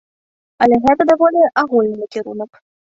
Але гэта даволі агульны накірунак.